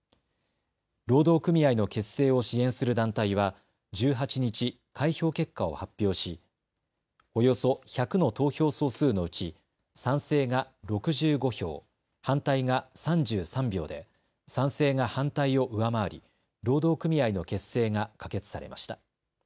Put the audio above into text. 労働組合の結成を支援する団体は１８日、開票結果を発表しおよそ１００の投票総数のうち賛成が６５票、反対が３３票で賛成が反対を上回り労働組合の結成が可決されました。